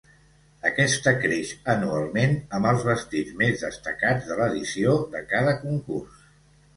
Aquesta creix anualment amb els vestits més destacats de l'edició de cada concurs.